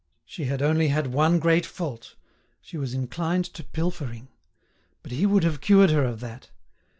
She had only had one great fault: she was inclined to pilfering. But he would have cured her of that.